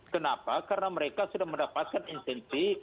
kenapa karena mereka sudah mendapatkan intensi